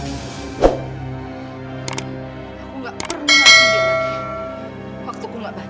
aku gak pernah ingin lagi waktuku gak banyak